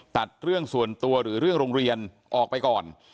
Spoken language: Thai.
ตัดเรื่องส่วนตัวหรือเรื่องโรงเรียนออกไปก่อน